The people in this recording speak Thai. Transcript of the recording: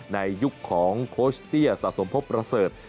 ในยุคของโคชเตี้ยสะสมพบประเสริฐ